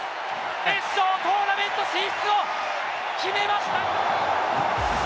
決勝トーナメント進出を決めました！